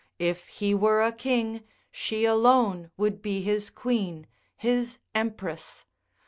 If he were a king, she alone should be his queen, his empress.